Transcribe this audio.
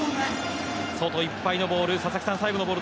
外いっぱいのボール、最後のボール